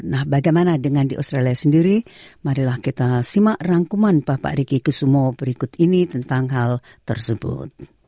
nah bagaimana dengan di australia sendiri marilah kita simak rangkuman bapak riki kusumo berikut ini tentang hal tersebut